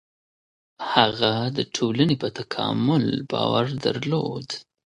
هغه د ټولني په تکامل باور درلود.